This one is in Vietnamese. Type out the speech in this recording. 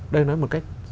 đây nói một cách